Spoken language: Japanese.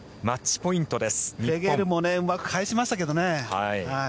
フェゲルもうまく返しましたけどね。